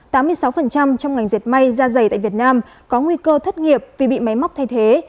tám mươi sáu trong ngành dệt may ra dày tại việt nam có nguy cơ thất nghiệp vì bị máy móc thay thế